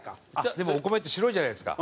でもお米って白いじゃないですか。